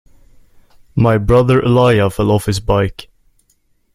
My brother Elijah fell off his bike.